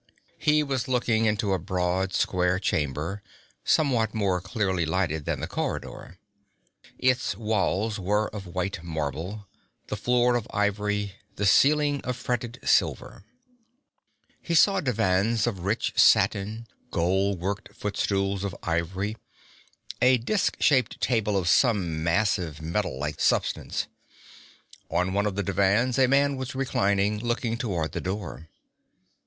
He was looking into a broad, square chamber, somewhat more clearly lighted than the corridor. Its walls were of white marble, the floor of ivory, the ceiling of fretted silver. He saw divans of rich satin, gold worked footstools of ivory, a disk shaped table of some massive, metal like substance. On one of the divans a man was reclining, looking toward the door.